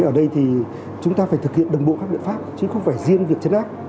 ở đây thì chúng ta phải thực hiện đồng bộ các biện pháp chứ không phải riêng việc chấn áp